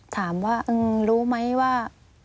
ถามว่ารู้มั้ยว่า